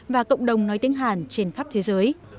và cộng đồng nói tiếng hàn trên khắp thế giới